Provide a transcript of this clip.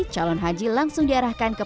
calon haji langsung diarahkan ke